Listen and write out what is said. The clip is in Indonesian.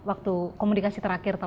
waktu komunikasi terakhir